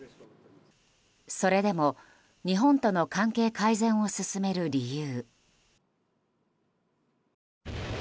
それでも日本との関係改善を進める理由。